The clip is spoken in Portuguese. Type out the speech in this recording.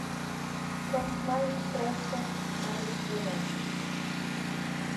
Quanto mais depressa, mais devagar.